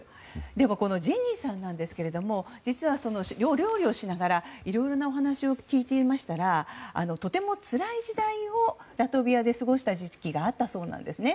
でもジェニーさんなんですけど実は料理をしながらいろいろなお話を聞いていましたらとてもつらい時代をラトビアで過ごした時期があったそうなんですね。